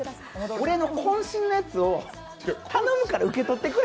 俺のこん身のやつを頼むから受け取ってくれ。